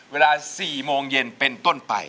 เวลา๑๖๐๐นเป็นต้นไป